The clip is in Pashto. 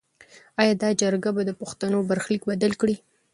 ایا دا جرګه به د پښتنو برخلیک بدل کړي؟